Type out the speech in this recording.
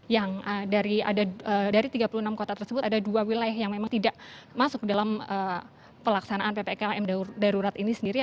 yang dari tiga puluh enam kota tersebut ada dua wilayah yang memang tidak masuk ke dalam pelaksanaan ppkm darurat ini sendiri